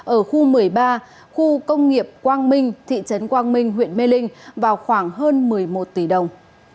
ở khu một mươi ba khu công nghiệp quang minh thị trấn quang minh huyện mê linh vào khoảng hơn một mươi một tỷ đồng